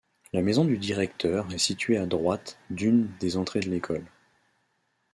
La maison du directeur est située à droite d’une des entrées de l’école.